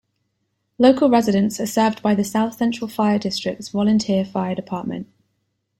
Local residents are served by the South Central Fire District's volunteer fire department.